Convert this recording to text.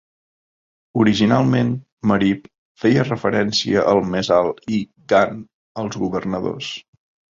Originalment, "Marip" feia referència al més alt i "gan" als governadors.